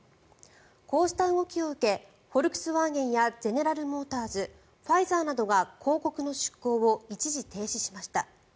こうした動きを受けフォルクスワーゲンやゼネラルモーターズファイザーなどが広告の出稿を一時停止しました。